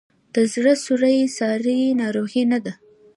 د زړه سوری ساري ناروغي نه ده.